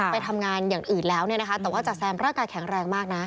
ไปทำงานอย่างอื่นแล้วแต่ว่าจ๋าแซมร่างกายแข็งแรงมากนะ